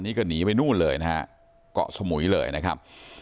นี่ก็หนีไปนู่นเลยนะฮะเกาะสมุยเลยนะครับ